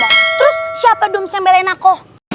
terus siapa dums yang belain aku